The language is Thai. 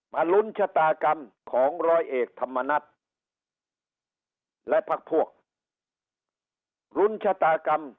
ลุ้นชะตากรรมของร้อยเอกธรรมนัฐและพักพวกลุ้นชะตากรรม